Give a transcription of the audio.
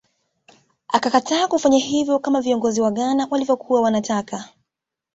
Akakataa kufanya hivyo kama viongozi wa Ghana walivyokuwa wanataka